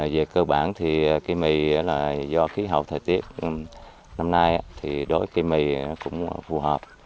về cơ bản thì cây mì là do khí hậu thời tiết năm nay thì đối với cây mì cũng phù hợp